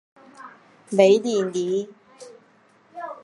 韦里尼。